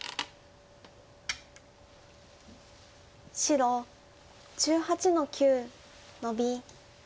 白１８の九ノビ。